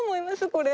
これ。